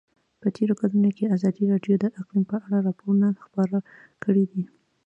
په تېرو کلونو کې ازادي راډیو د اقلیم په اړه راپورونه خپاره کړي دي.